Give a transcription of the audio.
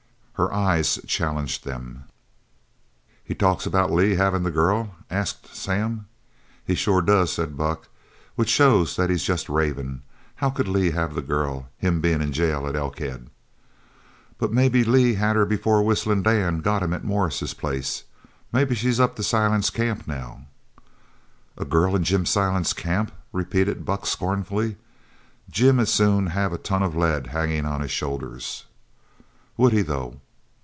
Her eyes challenged them. "He talks about Lee havin' the girl?" asked Sam. "He sure does," said Buck, "which shows that he's jest ravin'. How could Lee have the girl, him bein' in jail at Elkhead?" "But maybe Lee had her before Whistlin' Dan got him at Morris's place. Maybe she's up to Silent's camp now." "A girl in Jim Silent's camp?" repeated Buck scornfully. "Jim'd as soon have a ton of lead hangin' on his shoulders." "Would he though?"